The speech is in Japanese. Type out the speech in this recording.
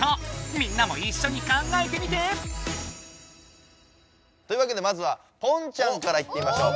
みんなもいっしょに考えてみて！というわけでまずはポンちゃんからいってみましょう。